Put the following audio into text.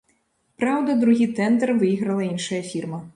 Праўда, другі тэндар выйграла іншая фірма.